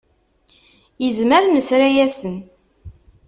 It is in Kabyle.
Izmer nesra-yasen.